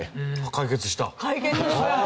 解決した！